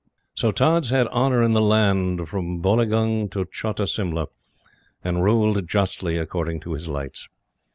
So Tods had honor in the land from Boileaugunge to Chota Simla, and ruled justly according to his lights.